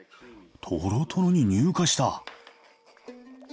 とろとろに乳化した。